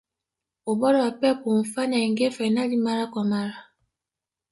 ubora wa pep haumfanya aingie fainali mara kwa mara